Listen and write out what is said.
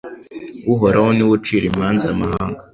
Uhoraho ni we ucira imanza amahanga